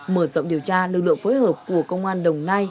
mở rộng điều tra lực lượng phối hợp của công an đồng nai